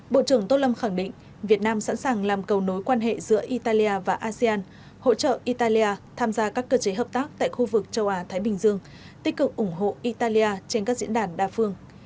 bộ trưởng tô lâm khẳng định việt nam sẵn sàng làm cầu nối quan hệ giữa italia và asean hỗ trợ italia tham gia các cơ chế hợp tác tại khu vực châu á thái bình dương tích cực ủng hộ italia trên các diễn đàn đa phương